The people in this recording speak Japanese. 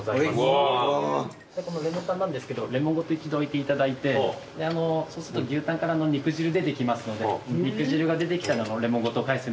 れもタンなんですけどレモンごと一度置いていただいてそうすると牛タンから肉汁出てきますので肉汁が出てきたらレモンごと返すようにしてください。